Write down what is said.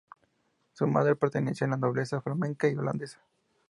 Su madre pertenecía a la nobleza flamenca y holandesa.